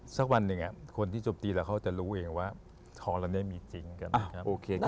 สักวันหนึ่งคนที่จบตีแล้วเขาจะรู้เองว่าท้อแล้วไม่มีจริง